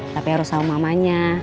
tapi harus tau mamanya